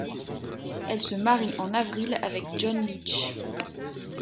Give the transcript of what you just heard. Elle se marie en avril avec Jon Leach.